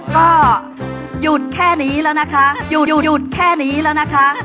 ก็หยุดแค่นี้แล้วนะคะหยุดอยู่หยุดแค่นี้แล้วนะคะ